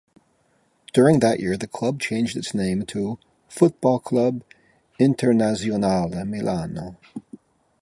During that year the club changed its name to "Football Club Internazionale Milano".